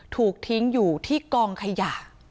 ถูกทิ้งอยู่ที่กองขยะ